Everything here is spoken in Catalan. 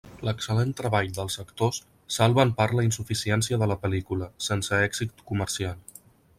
L’excel·lent treball dels actors salva en part la insuficiència de la pel·lícula, sense èxit comercial.